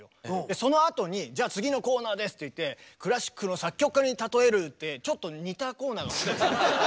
そのあとに「じゃあ次のコーナーです」って言って「クラシックの作曲家に例える」ってちょっと似たコーナーが。